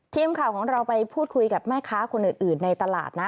ทีมข่าวของเราไปพูดคุยกับแม่ค้าคนอื่นในตลาดนะ